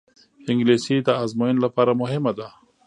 انګلیسي د ازموینو لپاره مهمه ده